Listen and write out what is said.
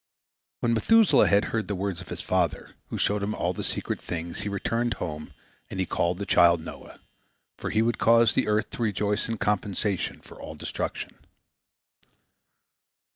When Methuselah had heard the words of his father, who showed him all the secret things, he returned home, and he called the child Noah, for he would cause the earth to rejoice in compensation for all destruction.